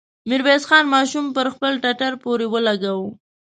ميرويس خان ماشوم پر خپل ټټر پورې ولګاوه.